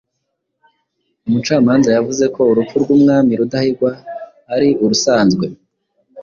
umucamanza yavuze ko urupfu rw’umwami Rudahigwa ari urusanzwe,